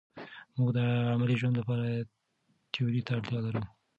موږ د عملي ژوند لپاره تیوري ته اړتیا لرو.